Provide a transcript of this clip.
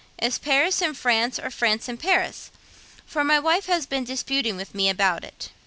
Is Paris in France, or France in Paris? for my wife has been disputing with me about it.'